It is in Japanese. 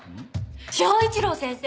昭一郎先生